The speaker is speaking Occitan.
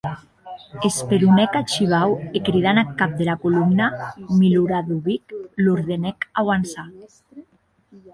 Esperonèc ath shivau e cridant ath cap dera colomna, Miloradovic, l’ordenèc auançar.